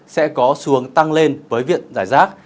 sẽ có xuống tăng lên với viện giải rác